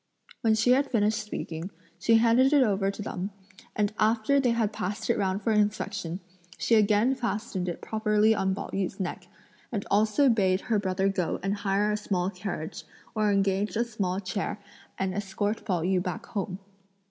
When she had finished speaking, she handed it over to them, and after they had passed it round for inspection, she again fastened it properly on Pao yü's neck, and also bade her brother go and hire a small carriage, or engage a small chair, and escort Pao yü back home.